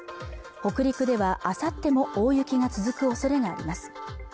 北陸ではあさっても大雪が続くおそれがあります